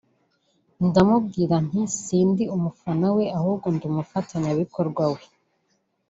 ndamubwira nti sindi umufana we ahubwo ndi umufatanyabikorwa we”